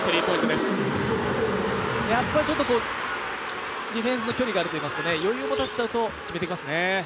ここはちょっとディフェンスの距離があるといいますか、余裕を持たせちゃうと決めてきますね。